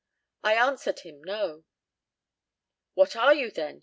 "I answered him 'No.'" "What are you then?"